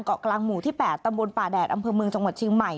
เกาะกลางหมู่ที่๘ตำบลป่าแดดอำเภอเมืองจังหวัดเชียงใหม่